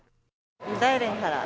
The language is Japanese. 大連から。